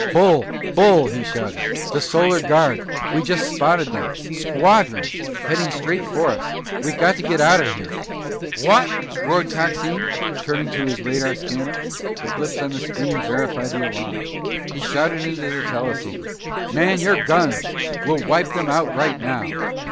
"Bull! Bull!" he shouted. "The Solar Guard! We just spotted them! Squadrons! Heading straight for us! We've got to get out of here!" "What?" roared Coxine, turning to his radar scanner. The blips on the screen verified the alarm. He shouted into the teleceiver, "Man your guns! We'll wipe them out right now!"